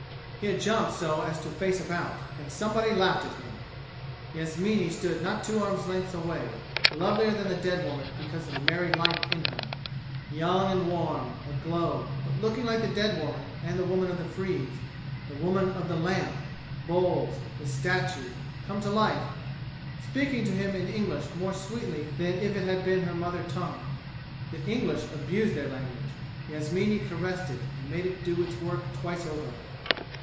He had jumped so as to face about, and somebody laughed at him. Yasmini stood not two arms' lengths away, lovelier than the dead woman because of the merry life in her, young and warm, aglow, but looking like the dead woman and the woman of the frieze the woman of the lamp bowls the statue come to life, speaking to him in English more sweetly than if it had been her mother tongue. The English abuse their language. Yasmini caressed it and made it do its work twice over.